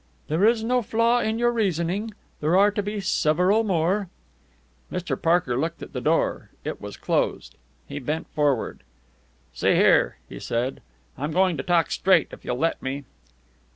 "There is no flaw in your reasoning. There are to be several more." Mr. Parker looked at the door. It was closed. He bent forward. "See here," he said, "I'm going to talk straight, if you'll let me."